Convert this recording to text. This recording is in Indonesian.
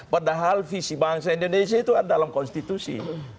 padahal visi bangsa indonesia itu dalam konstitusi